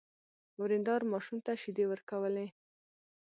ورېندار ماشوم ته شيدې ورکولې.